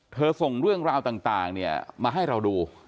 ส่งเรื่องราวต่างมาให้เราดู